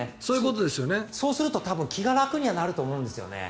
そうすると気が楽にはなると思うんですよね。